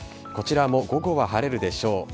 こちらも午後は晴れるでしょう。